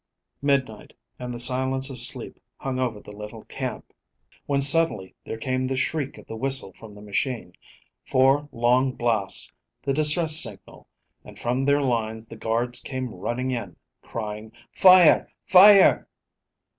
MIDNIGHT and the silence of sleep hung over the little camp, when suddenly there came the shriek of the whistle from the machine, four long blasts the distress signal and from their lines the guards came running in, crying, "Fire! Fire!"